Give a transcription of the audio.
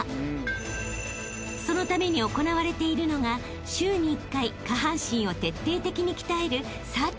［そのために行われているのが週に１回下半身を徹底的に鍛える］